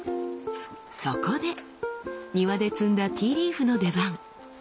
そこで庭で摘んだティーリーフの出番！